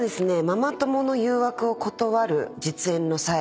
ママ友の誘惑を断る実演の際。